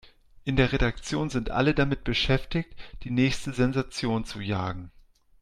In der Redaktion sind alle damit beschäftigt, die nächste Sensation zu jagen.